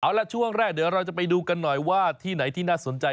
เอาละช่วงแรกเดี๋ยวเราจะไปดูกันหน่อยว่าที่ไหนที่น่าสนใจ